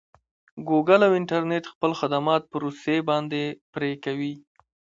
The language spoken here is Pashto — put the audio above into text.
ګوګل او انټرنټ خپل خدمات په روسې باندې پري کوي.